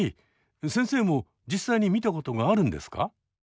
先生も実際に見たことがあるんですか？